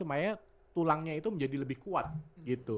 supaya tulangnya itu menjadi lebih kuat gitu